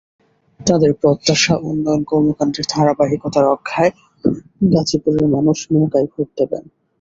তাঁদের প্রত্যাশা, উন্নয়ন কর্মকাণ্ডের ধারাবাহিকতা রক্ষায় গাজীপুরের মানুষ নৌকায় ভোট দেবেন।